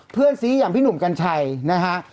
เพื่อนซีอย่างพี่หนุ่มกัญชัยนะฮะ